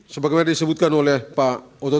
sebagai yang disebutkan oleh pak ototan